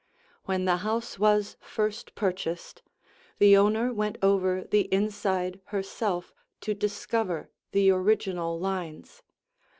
When the house was first purchased, the owner went over the inside herself to discover the original lines.